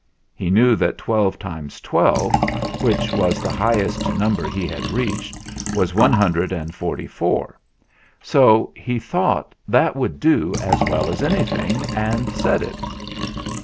He knew that twelve times twelve, which was the highest number he had reached, was one hundred and forty four. So he thought that would do as well as anything, and said it.